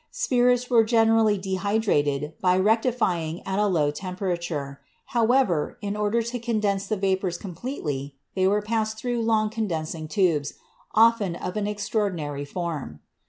Spirits were generally dehydrated by rectifying at a low temperature, however, and in order to condense 58 CHEMISTRY the vapors completely they were passed through long con densing tubes, often of an extraordinary form.